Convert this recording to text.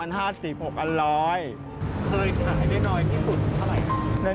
เคยขายด้วยหน่อยยิ้มสูตรสำหรับไหน